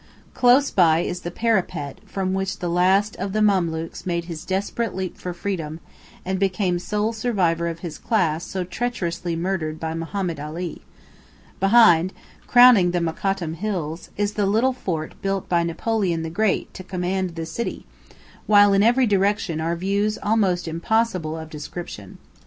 Close by is the parapet from which the last of the Memlūks made his desperate leap for freedom, and became sole survivor of his class so treacherously murdered by Mohammed Ali; behind, crowning the Mokhattam Hills, is the little fort built by Napoleon the Great to command the city, while in every direction are views almost impossible of description.